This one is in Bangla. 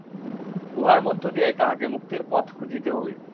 উহার মধ্য দিয়াই তাহাকে মুক্তির পথ খুঁজিতে হইবে।